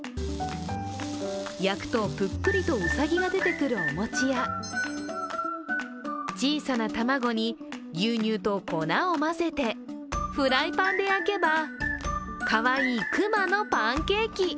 焼くとぷっくりとうさぎが出てくるお餅や小さな卵に牛乳と粉を混ぜてフライパンで焼けばかわいい熊のパンケーキ。